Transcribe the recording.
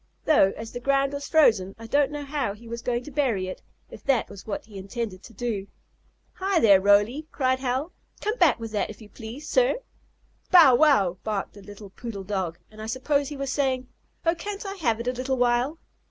Though, as the ground was frozen, I don't know how he was going to bury it, if that was what he intended to do. "Hi there, Roly!" cried Hal. "Come back with that, if you please, sir!" "Bow wow!" barked the little poodle dog, and I suppose he was saying: "Oh, can't I have it a little while?"